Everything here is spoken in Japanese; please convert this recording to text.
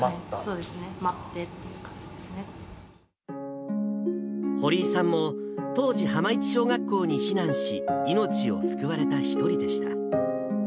そうですね、待ってって感じ堀井さんも、当時、浜市小学校に避難し、命を救われた１人でした。